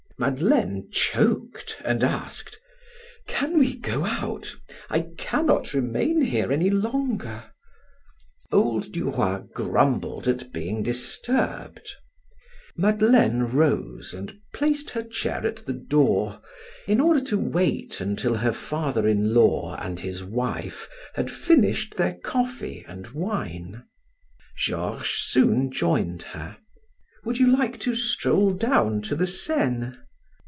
Madeleine choked and asked: "Can we go out? I cannot remain here any longer." Old Duroy grumbled at being disturbed. Madeleine rose and placed her chair at the door in order to wait until her father in law and his wife had finished their coffee and wine. Georges soon joined her. "Would you like to stroll down to the Seine?"